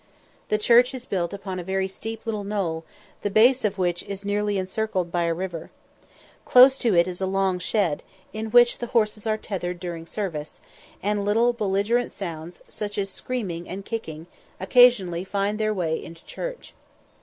The church is built upon a very steep little knoll, the base of which is nearly encircled by a river. Close to it is a long shed, in which the horses are tethered during service, and little belligerent sounds, such as screaming and kicking, occasionally find their way into church.